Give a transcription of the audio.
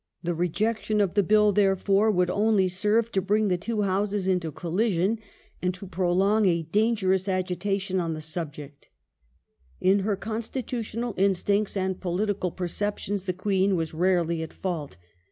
The rejection of the Bill, therefore, would only serve to bring the two Houses into collision, and to prolong a dangerous agitation on the subject" In her constitutional instincts and political perceptions the Queen was rarely at fault.